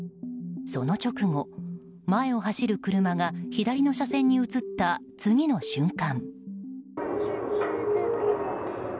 その直後、前を走る車が左の車線に移った次の瞬間。